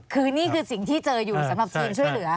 คือนี่คือสิ่งที่เจออยู่สำหรับทีมช่วยเหลือ